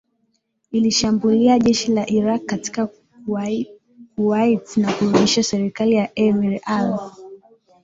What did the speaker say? ilishambulia jeshi la Irak katika Kuwait na kurudisha serikali ya Emir al